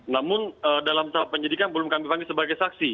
namun dalam tahap penyidikan belum kami panggil sebagai saksi